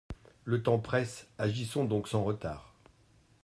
Le temps presse, agissons donc sans retard.